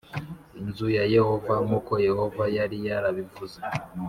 nzu ya Yehova nk uko Yehova yari yarabivuze